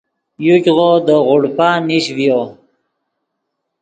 یوګیغو دے غوڑپہ نیش ڤیو